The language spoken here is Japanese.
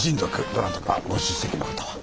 どなたかご出席の方は？